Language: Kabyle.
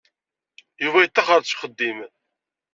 Yuba yettaxer-d seg uxeddim.